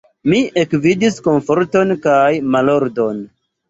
Mi ekvidis komforton kaj malordon.